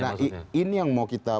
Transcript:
nah ini yang mau kita